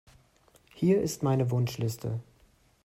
Hier ist meine Wunschliste.